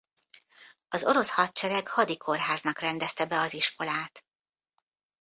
Az orosz hadsereg hadikórháznak rendezte be az iskolát.